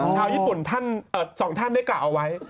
ชาวญี่ปุ่นท่านสองท่านได้กล่าวเอาไว้